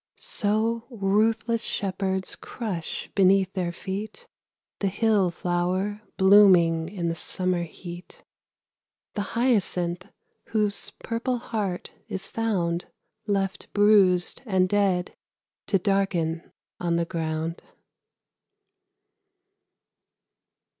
So ruthless shepherds crush beneath their feet The hill flower blooming in the summer heat; The hyacinth whose purple heart is found Left bruised and dead, to darken on the ground.